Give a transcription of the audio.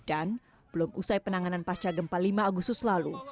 dan belum usai penanganan pasca gempa lima agustus lalu